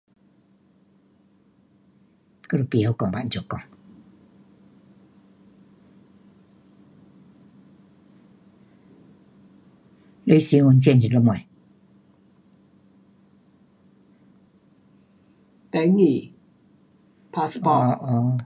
我都甭会讲要怎么讲。。。这身份证是什么？。。。登记，passport，哦哦